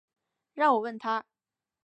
让我问他